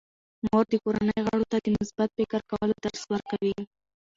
مور د کورنۍ غړو ته د مثبت فکر کولو درس ورکوي.